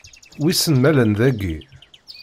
Wissen ma llan dagi?